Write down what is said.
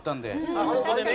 あっここでね。